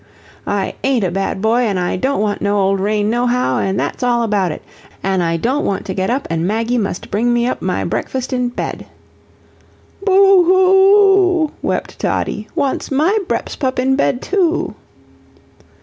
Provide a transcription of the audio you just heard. "I AIN'T a bad boy, an' I don't want no old rain nohow, an' that's all about it. An' I don't want to get up, an' Maggie must bring me up my breakfast in bed." "Boo hoo oo," wept Toddie, "wants my brepspup in bed too."